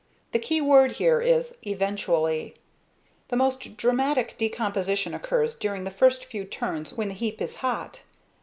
The key word here is eventually. The most dramatic decomposition occurs during the first few turns when the heap is hot.